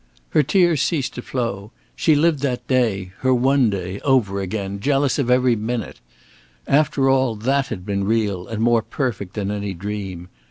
Her tears ceased to flow, she lived that day her one day over again, jealous of every minute. After all that had been real, and more perfect than any dream.